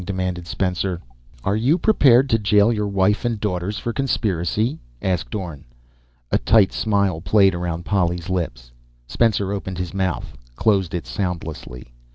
demanded Spencer. "Are you prepared to jail your wife and daughters for conspiracy?" asked Orne. A tight smile played around Polly's lips. Spencer opened his mouth, closed it soundlessly.